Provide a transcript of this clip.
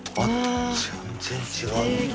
全然違う。